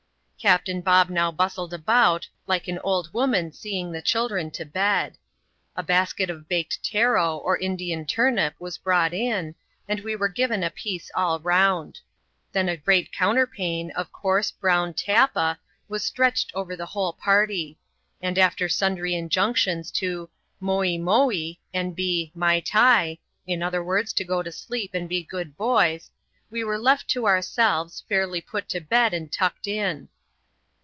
Captain Bob now bustled about, like an old woman seeing tlie children to bed. A basket of baked *< taro," or Indian tvrnip^ was brought in, and we were given a piece all round. Then a great counterpane, c^ coarse, brown ^'tappa^" waa stretched over the whole party ; and, after sundry injunctions to " moee moee," and be "maitai" — in other words, to go ta flle^ and be good boys — we were left to ourselves;, fairly put to bed and tucked in.